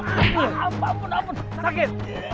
ampun ampun ampun sakit